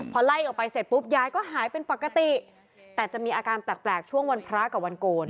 พอไล่ออกไปเสร็จปุ๊บยายก็หายเป็นปกติแต่จะมีอาการแปลกช่วงวันพระกับวันโกน